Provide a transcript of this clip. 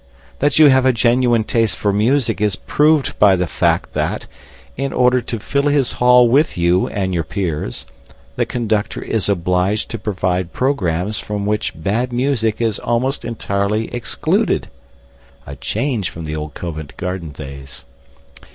That you have a genuine taste for music is proved by the fact that, in order to fill his hall with you and your peers, the conductor is obliged to provide programmes from which bad music is almost entirely excluded (a change from the old Covent Garden days!).